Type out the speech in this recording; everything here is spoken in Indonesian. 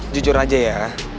jujur aja ya